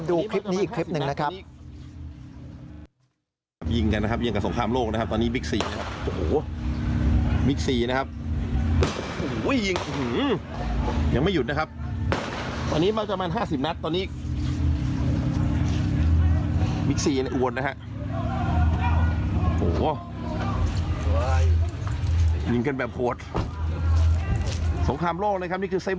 ดูคลิปนี้อีกคลิปหนึ่งนะครับ